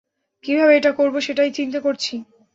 কীভাবে এটা করব সেটাই চিন্তা করছি।